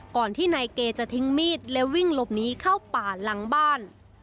ก่อนที่นายเกจะทิ้งมีดและวิ่งหลบหนีเข้าป่าหลังบ้าน